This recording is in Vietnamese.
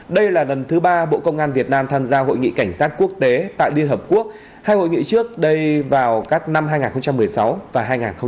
đây là lần thứ ba bộ công an việt nam tham gia hội nghị cảnh sát quốc tế tại liên hợp quốc hay hội nghị trước đây vào các năm hai nghìn một mươi sáu và hai nghìn một mươi tám